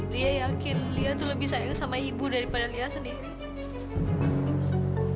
dia yakin dia tuh lebih sayang sama ibu daripada dia sendiri